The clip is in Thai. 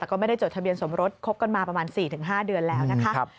แต่ก็ไม่ได้จดทะเบียนสมรสคบกันมาประมาณ๔๕เดือนแล้วนะคะ